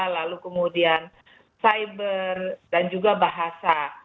lalu kemudian cyber dan juga bahasa